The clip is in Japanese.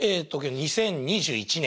２０２１年。